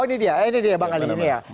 oh ini dia ini dia bang ali